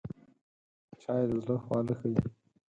چای د زړه خواله ښيي